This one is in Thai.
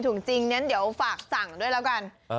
ถูกจริงนี่เดี๋ยวฝากสั่งด้วยแล้วกัน